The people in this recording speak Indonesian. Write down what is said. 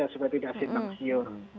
sehingga tidak sitem siur